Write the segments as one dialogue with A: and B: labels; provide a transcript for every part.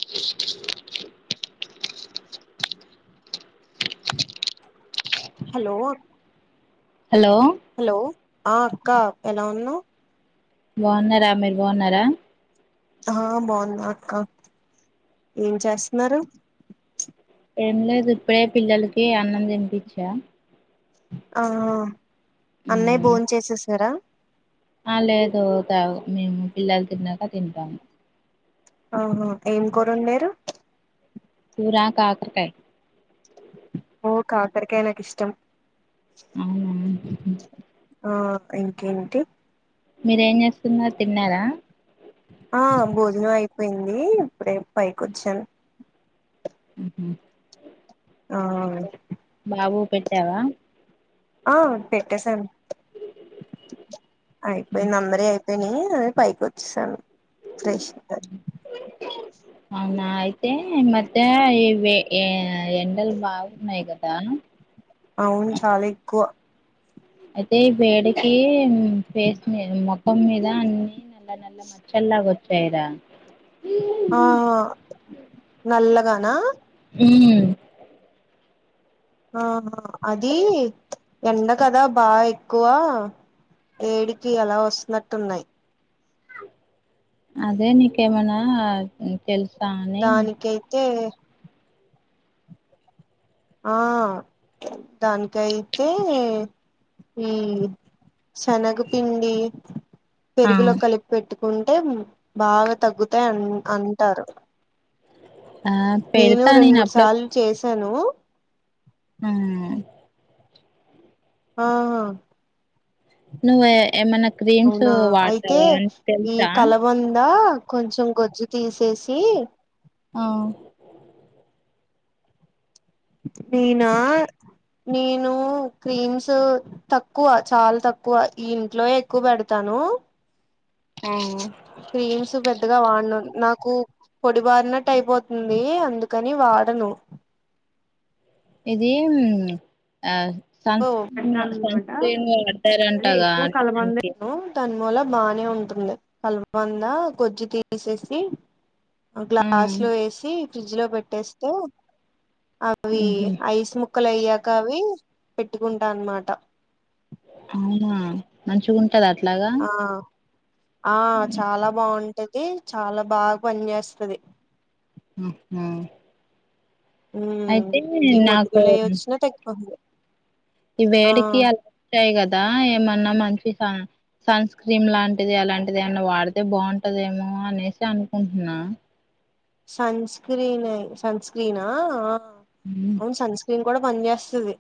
A: శష్ [inaudible]
B: hello
A: hello
B: hello ఆ అక్క ఎలా ఉన్నావు
A: బాగున్నారా మీరు బాగున్నారా
B: ఆ బాగున్నా అక్క ఏం చేస్తున్నారు
A: ఏం లేదు ఇప్పుడే పిల్లలకి అన్నం తినిపించా
B: ఆ ఆ అన్నయ్య
A: ఉమ్
B: భోన్ చేసేసారా
A: ఆ లేదు ఒక మేము పిల్లలు తిన్నాక తింటాము
B: ఆహా ఏం కోర అండరు
A: కూరా కాకరకాయి
B: ఓ కాకరికయి నాకు ఇష్టం
A: అవునా
B: ఆ ఇంకేంటి
A: మీరేం చేస్తున్నారు తిన్నారా
B: ఆ భోజనం అయిపోయింది ఇప్పుడే పైకి వచ్చాను
A: ఉహు
B: ఆ
A: బాబుకూ పెట్టావా
B: ఆ పెట్టసను అయిపోయి అందరియిపో పెని పైకి వచ్చేసాను ఫ్రెష్ గలీ
A: అవునా అయితే మత్త ఈ ఎండల్ బాగున్నాయ్ గదా
B: అవును చాలా ఎక్కువ
A: అయితే ఈ వేడికి పేస్ మీద మొఖం మీద అన్ని నల్ల నల్ల మచ్చల్ లాగా వచ్చయ్ రా
B: ఆహా నల్లగానా
A: ఉమ్
B: ఆహా అది ఎండ కదా బాగా ఎక్కువ వేడికి అలా వస్తున్నట్టున్నాయి
A: అదే నీకేమైనా తెలుసా అని
B: దానికైతే ఆహ్ దానికైతే ఉమ్ శనగపిండి
A: ఆ
B: పెరుగులో కలిపి పెట్టు కుంటే బాగా తగ్గుతాయి అన్ అంటారు
A: ఆ
B: నేను
A: పెడతా
B: రెండు మూడు సార్లు చేసాను
A: ఉమ్
B: ఆహ్
A: నువే ఎమ్మన
B: అవునా అయితే ఈ కలవంద కొంచెం గొజ్జు తీసేసి
A: ఆహ్
B: నీనా నేను క్రీమ్స్ తక్కువ చాలా తక్కువ ఈ ఇంట్లో ఏ ఎక్కువ పెడతాను హలో
A: ఆహ్
B: క్రీమ్స్ పెద్దగా వాడను నాకు పొడి బారినట్టు అయిపోతుంది అందుకని వాడను
A: ఇది ఆహ్ సంస్క్రీ
B: పెడతా అన్నమాట
A: సంన్స్క్రీన్
B: అదే
A: పడతారంటాగా
B: ఎక్కువ
A: అ
B: కలబంద
A: దానికి
B: దాని మూల బాగానే ఉంటుంది కలవందా గోజ్జు తీసేసి
A: ఆ
B: గ్లాస్ లో వేసి ఫ్రిడ్జ్ లో పెట్టేస్తే అవి
A: ఉహు
B: ఐస్ ముక్ ముక్కలయ్యాక అవి పెట్టుకుంటా అన్నమాట
A: అవునా మంచిగ ఉంటది అట్లాగా
B: అబ్ చాలా బాగుంటది చాలా బాగా పని చేస్తది
A: ఉ ఉమ్
B: ఉమ్ ఈ
A: నాకు
B: మొటుమలు అయ్య వచ్చినా తగ్గిపోతుంది
A: ఈ
B: ఆ
A: వేడికి అలా ఉంటాయి కదా ఏమన్నా మంచి సన్ స్క్రీన్ లాంటిది అలాంటిది అన్నా వాడితే బాగుంటదేమో అనేసి కున్నా
B: సన్ స్క్రీన్ సన్స్క్రీనా అవును సన్స్క్రీన్ కూడా పని చేస్తది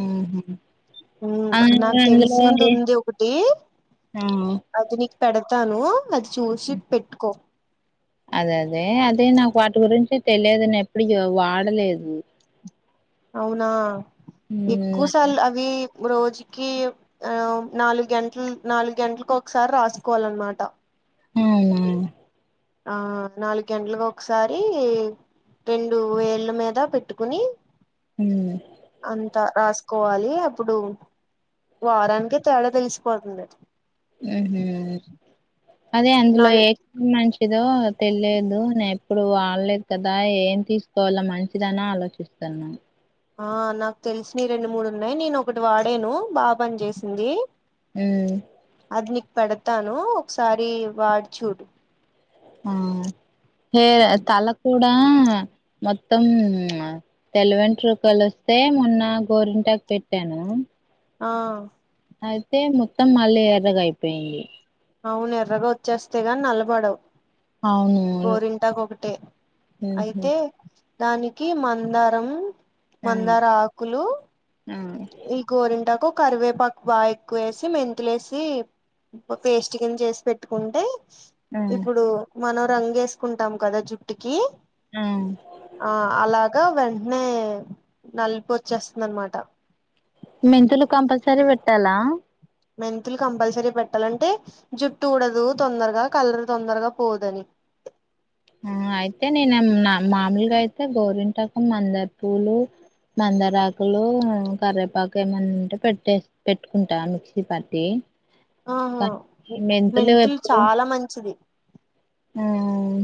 A: ఊహు ఆ
B: నాకు
A: అందులో
B: తెలిసింది
A: ఏ
B: ఉంది ఒకటి
A: ఆ
B: అది పెడతాను అది చూసి పెట్టుకో
A: అద్ అదే అదే నాకు వాటి గురించి తెలియదు నిన్ ఎప్పుడు వాడలేదు
B: అవునా
A: మ్
B: ఎక్కువసార్లు అవి రోజుకి ఆ నాలుగు గంటలు నాలుగు గంటలలకు ఒకసారి రాసుకోవాలన్నమాట
A: ఉమ్
B: ఆజ్ నాలుగు గంటలుకు ఒకసారి రెండు వేళ్ళ మీద పెట్టుకుని అంత రాసు కోవాలి అప్పుడు వారానికి తేడా తెలిసిపోతుంది
A: ఉమ్ అదే అందులో
B: నాలు
A: ఏ స్క్రీన్ మంచిది ఏదో తెలియదు నేను ఎప్పుడు వాడలేదు కదా ఏం తీసుకోవాలో మంచిదని ఆలోచిస్తాను అన్నాం
B: ఆజ్ నాకు తెలిసిన రెండు మూడు ఉన్నాయి నేను ఒకటి వాడాను బా పని చేసింది
A: ఉమ్
B: అది నీకు పెడతాను ఒకసారి వాడుచూడు
A: ఆ హే తల కూడా ఆ మొత్తం తెల్లవెంట్రుకలు వస్తే మొన్న గోరింట పెట్టాను
B: ఆ
A: అయితే మొత్తం మళ్ళీ ఎర్రగా అయిపోయింది.
B: అవును ఎర్రగా వచ్చేస్తేగాని నల్లబడవు.
A: అవును
B: గోరింటాకు ఒకటే
A: ఉహు
B: అయితే దానికి మందారం,
A: ఆ
B: మందార ఆకులు
A: ఆ
B: ఈ గోరింటాకు కరివేపాకు బాగా ఎక్కువ వేసి మెంతులేసి పేస్ట్ కింద చేసి పెట్టుకుంటే
A: ఆ
B: ఇప్పుడు మనం రంగేసుకుంటాం కదా జుట్టుకి
A: ఆ
B: ఆ అలాగా వెంటనే నలిపి వచ్చేస్తుంది అనమాట.
A: మెంతులు కంపల్సరీ పెట్టాలా?
B: మెంతులు కంపల్సరీ పెట్టాలంటే జుట్టు ఊడదు తొందరగా కలర్ తొందరగా పోదని [inaudible]
A: ఆ అయితే నేనే నా మామూలుగా అయితే గోరింటాకు, మందారపూలు మందారాకులు కర్రేపాకు ఏమన్నాంటే పెట్టే పెట్టుకుంటా మిక్సీ పట్టి
B: ఆహా మెంతులు చాలా మంచిది.
A: ఆమ్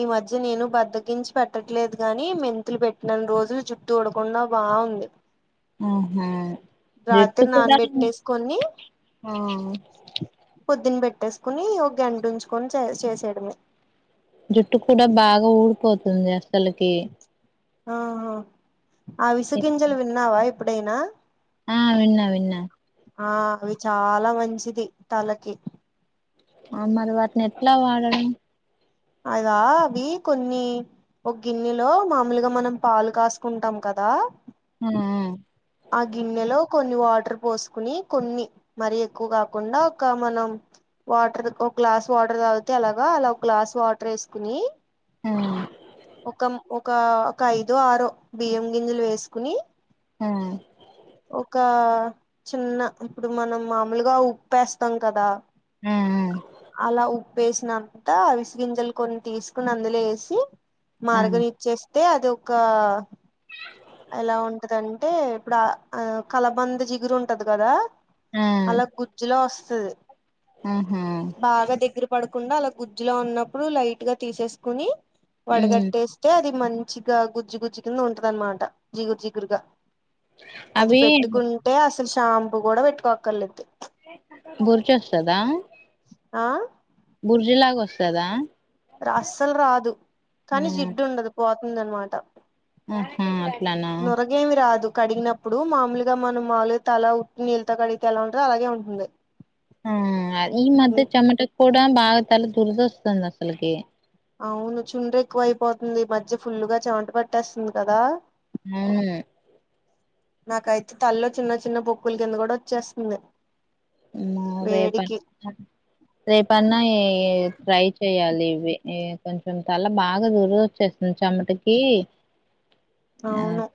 B: ఈ మధ్య నేను బద్దకించి పెట్టట్లేదు గాని, మెంతులు పెట్టినన్ని రోజులు జుట్టు ఊడకుండా బావుం ఏవ్
A: ఆహా జుట్టు
B: రాత్రి
A: కూడా
B: నానబెట్టేసుకొని
A: ఆ
B: పొద్దున బె ట్టేసుకుని ఒక గంట ఉంచుకొని చే చేసేయడమే
A: జుట్టు కూడా బాగా ఊడిపోతుంది అసలకి
B: ఆహా అవిసగింజలు విన్నావా ఎప్పుడైనా?
A: ఆ విన్నా విన్నా
B: ఆ అవి చాలా మంచిది తలకి
A: ఆ మరి వాటిని ఎట్లా వాడడం?
B: అదా వి కొన్ని ఒక గిన్నెలో మామూలుగా మనం పాలు కాసుకుంటాం కదా
A: హ
B: ఆ గిన్నెలో కొన్ని వాటర్ పోసుకుని కొన్ని మరి ఎక్కువ కాకుండా ఒక మనం వాటర్ ఒక గ్లాస్ వాటర్ తాగితే అలాగా అలా ఒక గ్లాస్ వాటర్ వేసుకుని
A: ఆ
B: ఒక ఒక ఒక ఐదో ఆరో బియ్యం గింజలు వేసుకుని
A: ఆ
B: ఒక చిన్న ఇప్పుడు మనం మామూలుగా ఉప్పేస్తాం కదా. అలా ఉ వేసినంత అవిసిగింజలు కొన్ని తీసుకుని అందులో ఏసి
A: ఆ ఆ
B: మారగనిచ్చేసి దే అదొకా ఎలా ఉంటదంటే ఇప్పుడు ఆ అ కలబంద జిగురు ఉంటది కదా
A: ఆ
B: అలా గుజ్జులో వస్తది.
A: ఆహా
B: బాగా దగ్గర పడకుండ అలా గుజ్జుల ఉన్నప్పుడు అలా లైట్ గ తీసేసుకుని
A: మ్మ్
B: వడగట్టేస్తే అది మంచిగ గుజ్జు గుజ్జు కింద ఉంటది అనమాట జిగురు జిగురుగా అది
A: అవి
B: పెట్టుకుంటే అసలు షాంపూ గుడ వెట్టుకోక్కర్లేదు
A: బొర్చొస్తదా
B: ఆ
A: బుర్జులాగ ఓస్తదా
B: ర అస్సల్ రాదు కనీ జిడ్డుండదు పోతుంది అనమాట
A: ఆహా అట్లనా
B: నురగేమి రాదు కడిగినప్పుడు మామూలుగా మనం మాలు తల ఉట్టి నీళ్ళతో కడిగితే ఎలా ఉంటదో అలాగే ఉంటుంది
A: ఆ ఈ మధ్య చెమట కూడా బాగాతల దుర్ద వస్తుంది అసలకి
B: అవును చుండ్ర ఎక్కువ అయిపోతుంది ఈ మధ్య ఫుల్గా చెమట పట్టేస్తుంది కదా
A: అవును
B: నాకైతే తల్లో చిన్న చిన్న పొక్కుల కింద కూడ వచ్చేస్తంది
A: అమ్మ రేపన్ రేపన్నా ఏ ఏ ఫ్రై చేయాలి ఇవ్వి ఈ కొంచెం తల బాగా దురదచ్చేస్తుంది చెమటకీ
B: అవును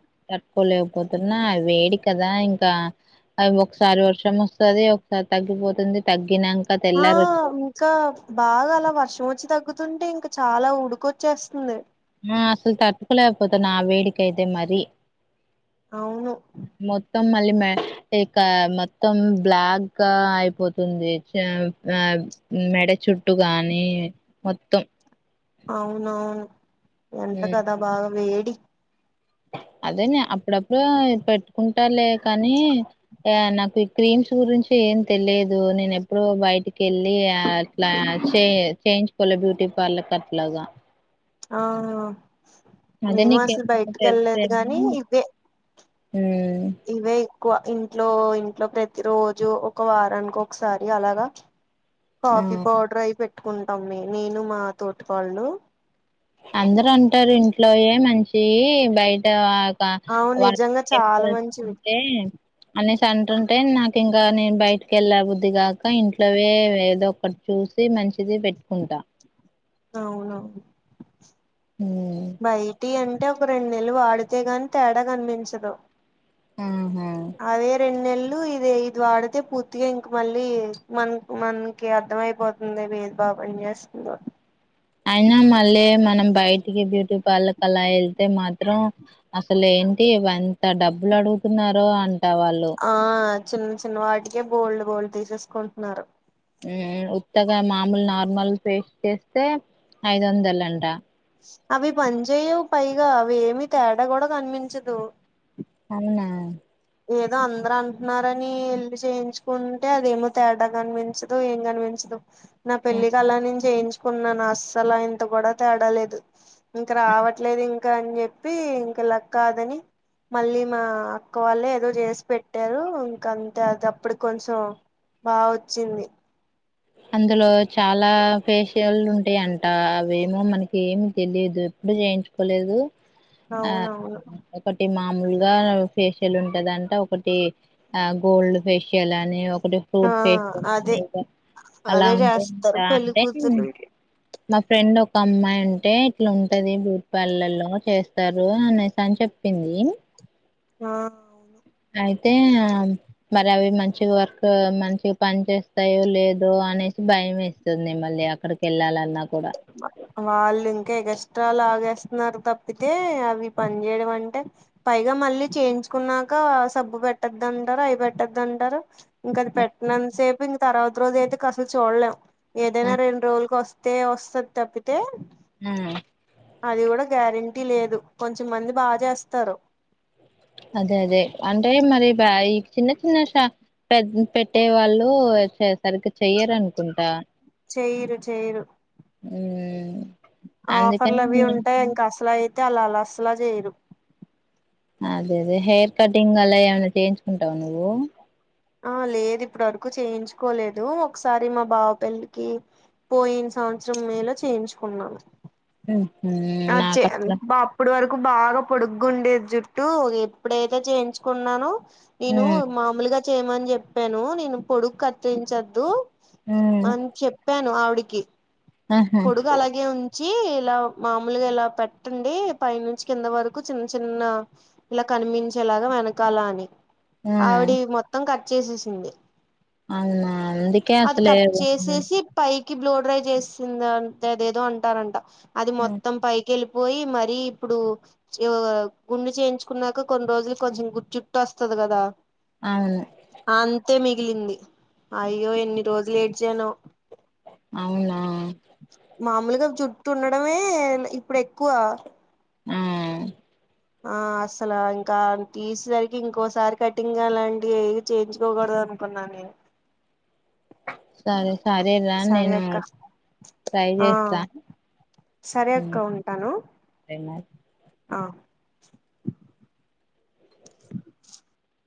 A: కొలేకపోతున్నా అవేడి కదా ఇంకా అవి ఒకసారి వర్షం ఓస్తది ఒ సారి తగ్గిపోతుంది తగ్గి
B: ఆ ఇంక బాగా అలా వర్షం వచ్చి తగ్ తుంటే ఇంక చాలా ఉడుకచ్చేస్తుంది
A: అ అసల్ తట్టుకోలేకపోతున్న ఆ వేడికయితే మరి
B: అవును
A: మో త్తం మళ్ళీ మే డీ కా మొత్తం బ్లాక్ గా అయిపోతుంది చా మా మెడ చుట్టు గానీ మొత్తం
B: అవునవును ఎంత
A: ఉమ్
B: కదా బాగా వేడి
A: అదేనే అప్పుడప్పుడు పెట్టుకుంట లే కనీ ఎ యాన్నక్ ఈ క్రీమ్స్ గురించి ఏం తెలియదు నేనెప్పుడు బయటికెళ్ళి అట్ల చే చేయించుకోలే బ్యూటీ పల్లకట్లగ
B: ఆహ మేము అసల్
A: నీకేమన్నా
B: బయటికెళ్లేదు గానీ ఇవ్వె
A: ఊ
B: క్కువ ఇంట్లో ఇంట్లో ప్రతి రోజు ఒక వారానికొకసారి అలాగా
A: ఆ
B: కాఫీ పౌడర్ అయి పెట్టుకుంటాం మే నేను మా తోటి కోడ్ళ్ళు
A: అందర్ అంటారు ఇంట్లోయే మంచియి బయట
B: అవును
A: వాల్
B: నిజంగా
A: [inaudible]
B: చాలా మంచివి
A: అంట అనేసి అంటుంటే నాకు ఇంగా నేను బయటికి ఎళ్ళ బుద్దిగాక ఇంట్లోవె ఏదో ఒకటి చూసి మ మంచిది పెట్టుకుంట
B: అవునువును
A: ఉమ్
B: బైటి అం అంటే ఒక రెండు నెల్లు వాడితే గని తేడా కనిపించదు
A: ఉహు
B: అదే రెంన్నేల్లు ఇదే ఇది వాడితే పూర్తిగ ఇంక మళ్ళీ మన్క్ మనకి అర్థమయిపోతుంది మీ బా పని చేస్తుందో
A: అయినా మళ్ళీ మనం బయటికి బ్యూటీ పార్లర్ కల్లా ఎళ్తే మాత్రం అసలేంటి వంత డబ్బులు అడుగుతున్నారో అంట వాళ్ళు
B: ఆ చిన్న చిన్న వాటికే బోల్డ్ బోల్డ్ తీసేసుకుంటున్నారు
A: ఉమ్ ఉత్తగా మామూలు నార్మల్ పేస్ట్ చేస్తే ఐదు వందలంట
B: అవి పని చేయవు పైగా అవి ఏమి తేడా కూడా కనిపించదు.
A: అవునా.
B: ఏదో అందరు అంటున్నారని ఎల్లీ చేయించుకుంటే అదేమో తేడా కనిపించదు ఏం కనిపించదు. నా పెళ్ళికి అలా నేను చేయించుకున్నాను అస్సలు ఇంత కూడా తేడాలేదు. ఇంక రావట్లేదు ఇంకా అని చెప్పి ఇంక లక్ కాదని మళ్ళీ మా అక్. కోవాలి ఏదో చేసి పెట్టారు ఇంకా అంతే అది అప్పుడికి కొంచెం. బాగొచ్చింది.
A: అందులో చాలా. ఫేషియల్ ఉంటాయంట అవేమో మనకి ఏమి తెలియదు ఎప్పుడు చేయించుకోలేదు. ఆహ్
B: అవునవును
A: ఒకటి మా. మామూల్గా ఫేషియల్ ఉంటదంటా ఒకటి ఆహ్ గోల్డ్ ఫేషియల్ అని.
B: ఆ
A: టూత్ పెకు
B: అదే
A: నీకు. అలా
B: అదే
A: ఉంటే
B: చేస్తారు
A: ఉంటా
B: పెళ్లి
A: అంటే ఉమ్
B: కూతుర్లకి
A: మా ఫ్రెండ్. ఒక అమ్మాయి ఉంటే ఇట్లా ఉంటది బ్యూటీ పార్లర్ లో చేస్తారు అనేసి అని చెప్పింది.
B: ఆహ్ అవునా.
A: అయితే ఆహ్ మరి అవి మంచిగా వర్క్ మంచిగ పని చేస్తాయో లేదో అనేసి. భయం వేస్తుంది మళ్ళీ అక్కడికి వెళ్ళాలిన్నా.
B: వా వాళ్ళీం. ఎగస్ట్రా లాగేస్తున్నారు తప్పితే అవి పని చేయడం అంటే పైగా మళ్ళీ చేయించు. చేసుకున్నాక సబ్బు పెట్టొద్దంటారు అవి పెట్టొద్దు అంటారు. ఇంకా అది పెట్టటినంత సేపు ఇంక తర్వాత రోజు అయితే ఇంకా అసలు చూడలేము
A: ఆ,
B: ఏదైనా రెండు రోజులకోసం. తే వస్తుంది తప్పితే.
A: ఉమ్.
B: అది కూడా గ్యారెంటీ లేదు కొంచెంమంది బాగా చేస్తారు.
A: అదే అదే అంటే మరి. ఆహ్ గాయ్ ఈ చిన్న చిన్న షాప్ పెట్టే వాళ్ళు సరిగ్గా చెయ్యరు అనుకుంటా.
B: చేయరు చెయ్యరు.
A: ఉమ్.
B: ఆఫర్లు
A: అందుకని
B: అవి ఉంటాయి
A: నేను-
B: ఇంకా అసలు అయితే అలా అలా అసలే చేయరు.
A: అదే అదే హెయిర్ కటింగ్ అలా ఏమైనా చేయించుకుంటావ నువ్వు.
B: ఆహ్ లేదు ఇప్పుడు వరకు చేయించుకోలేదు ఒకసారి మా బావ పెళ్లికి పోయిన సం. సంవత్సరం మే లో చేయించుకున్నాను.
A: ఉహుం,
B: ఆహ్ చ్చే
A: నాకు అట్లా
B: బా అప్పుడు వరకు. నాకు బాగా పొడుగ్గుండే జుట్టు ఎప్పుడైతే చేయించుకున్నాను. నేను మామూలుగా చేయమని చెప్పాను నేను పొడుగు కత్తిరించద్దు.
A: ఉమ్
B: అని చెప్పాను ఆవిడికి
A: ఆహా
B: పొడుగు అలాగే ఉన్. చ్చి ఇలా మామూలుగా ఇలా పెట్టండి పై నుంచి కింద వరకు చిన్న చిన్న ఇలా క. కనిపించేలాగా వెనకాల అని ఆవిడ
A: ఉమ్
B: ఇవి మొత్తం కట్ చేసేసింది.
A: అవునా అందుకే
B: అది
A: అసలే
B: కట్
A: అవును
B: చేసేసి పై. కి బ్లూ డ్రై చేసింది అంట అదేదో అంటారంట అది మొత్తం పైకి వేళి. పోయి మరీ ఇప్పుడు ఆహ్ గుండు చేయించుకున్నాక కొన్ని రోజులకు కొంచెం గు జుట్టు వస్తదం. కదా. అంతే మిగిలింది అయ్యో ఎన్ని రోజులు ఏడిచానో.
A: అవునా.
B: మామూలుగా జుట్టు ఉండడమే ఇప్పుడు ఎక్కువ.
A: ఆ
B: ఆ అస్సలు ఇంకా తీసేసరికి ఇంకోసారి కటింగ్ అలాంటి ఏయి చేయించుకోకూడదు. అనుకున్నా నేను
A: సరే సరే రా
B: సరే
A: నేను
B: అక్క
A: ట్రై
B: ఆ
A: చేస్తా.
B: సరే అక్క
A: ఉమ్
B: ఉంటాను
A: సరే మరి
B: ఆ అ